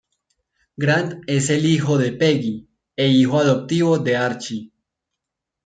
Grant es el hijo de Peggy e hijo adoptivo de Archie.